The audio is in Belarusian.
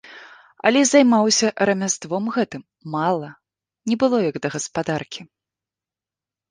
Але займаўся рамяством гэтым мала, не было як да гаспадаркі.